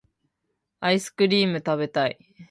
アイスクリームたべたい